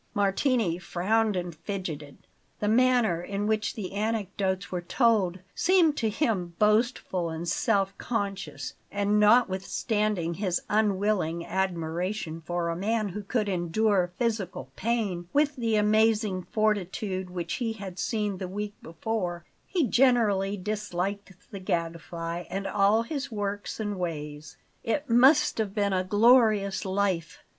Martini frowned and fidgeted. The manner in which the anecdotes were told seemed to him boastful and self conscious; and, notwithstanding his unwilling admiration for a man who could endure physical pain with the amazing fortitude which he had seen the week before, he genuinely disliked the Gadfly and all his works and ways. "It must have been a glorious life!"